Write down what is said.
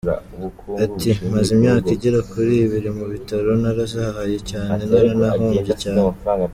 Ati “Maze imyaka igera kuri ibiri mu bitaro, narazahaye cyane naranahombye cyane.